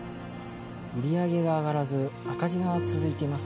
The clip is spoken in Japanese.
売り上げが上がらず赤字が続いています